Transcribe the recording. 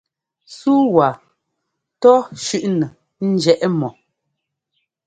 Súu waa tɔ́ shʉ́ʼnɛ njiɛʼ mɔ.